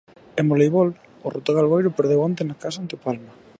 E en voleibol, o Rotogal Boiro perdeu onte na casa ante o Palma.